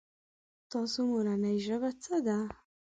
تاسو مورنۍ ژبه څه ده ؟